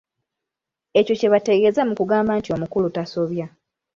Ekyo kye bategeeza mu kugamba nti omukulu tasobya.